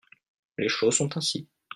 les choses sont ainsi.